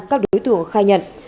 các đối tượng khai nhận